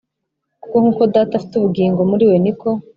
kuko nk uko Data afite ubugingo muri we ni ko